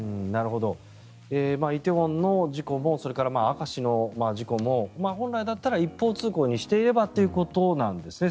梨泰院の事故もそれから明石の事故も本来だったら一方通行にしていればということなんですね。